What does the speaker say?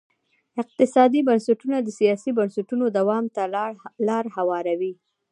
اقتصادي بنسټونه د سیاسي بنسټونو دوام ته لار هواروي.